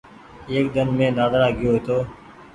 ايڪ ۮن مين نآدرا گئيو هيتو۔